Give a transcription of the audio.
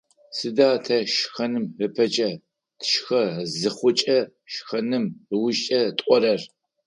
Сыда тэ шхэным ыпэкӏэ, тышхэ зыхъукӏэ, шхэным ыужкӏэ тӏорэр?